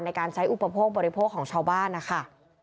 ในการใช้อุปโภคบริโภคของชาวบ้านนะคะ